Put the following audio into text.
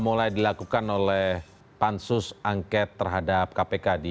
terima kasih pak